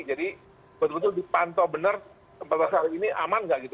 jadi betul betul dipantau benar empat belas hari ini aman nggak gitu